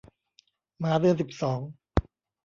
หมาเดือนสิบสอง